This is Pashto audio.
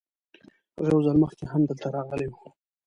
هغه یو ځل مخکې هم دلته راغلی و.